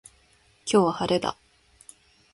今日は晴れだ